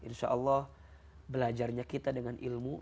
insya allah belajarnya kita dengan ilmu